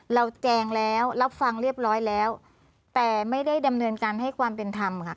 แจงแล้วรับฟังเรียบร้อยแล้วแต่ไม่ได้ดำเนินการให้ความเป็นธรรมค่ะ